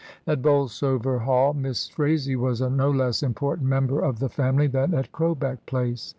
At Bolsover Hall Miss Phraisie was a no less 278 MRS. DYMOND. important member of the family than at Crowbcck Place.